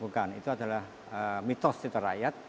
bukan itu adalah mitos cita rakyat